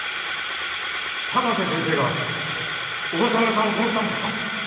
高瀬先生が小笠原さんを殺したんですか！？